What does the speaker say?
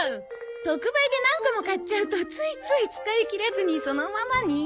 特売で何個も買っちゃうとついつい使い切らずにそのままに。